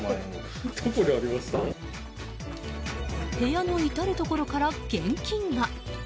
部屋の至るところから現金が。